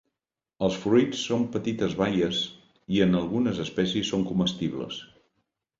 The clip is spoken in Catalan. Els fruits són petites baies i en algunes espècies són comestibles.